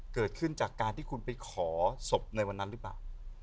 เกิดขึ้นจากการที่คุณไปขอศพในวันนั้นหรือเปล่า